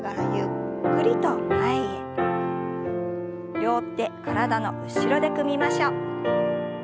両手体の後ろで組みましょう。